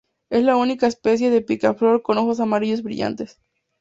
Es la única especie de picaflor con ojos amarillos brillantes.